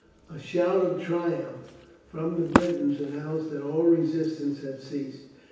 A shout of triumph from the Britons announced that all resistance had ceased.